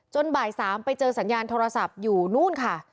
บ่าย๓ไปเจอสัญญาณโทรศัพท์อยู่นู่นค่ะ